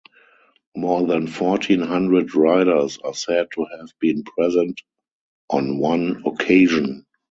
More than fourteen hundred riders are said to have been present on one occasion.